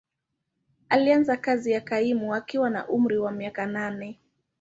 Alianza kazi ya kaimu akiwa na umri wa miaka nane.